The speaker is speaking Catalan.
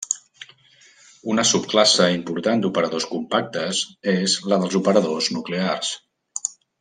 Una subclasse important d'operadors compactes és la dels operadors nuclears.